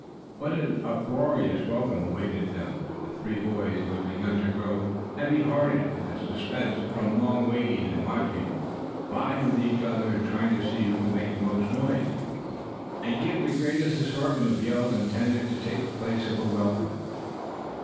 What an uproarious welcome awaited them! The three boys, who had begun to grow heavy hearted with suspense from long waiting and watching, vied with each other in trying to see who could make the most noise, and give the greatest assortment of yells intended to take the place of a welcome.